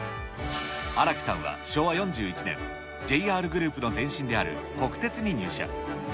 荒木さんは昭和４１年、ＪＲグループの前身である国鉄に入社。